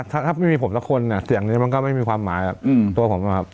ถ้าไม่มีผมสักคนเนี่ยเสียงนี้มันก็ไม่มีความหมายตัวผมนะครับ